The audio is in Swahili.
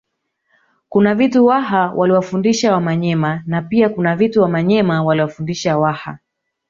Kuna vitu Waha waliwafundisha Wamanyema na pia kuna vitu Wamanyema waliwafundisha Waha